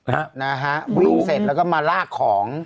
วิ่งเสร็จแล้วก็มาลากของ